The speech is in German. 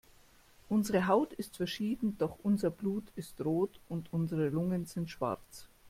Unsere Haut ist verschieden, doch unser Blut ist rot und unsere Lungen sind schwarz.